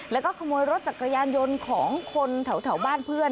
แล้วก็ขโมยรถจักรยานยนต์ของคนแถวบ้านเพื่อน